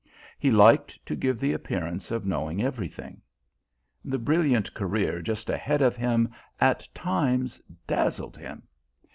He liked to give the appearance of knowing everything. The brilliant career just ahead of him at times dazzled him.